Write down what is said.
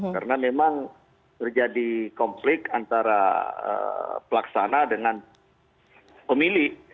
karena memang terjadi konflik antara pelaksana dengan pemilih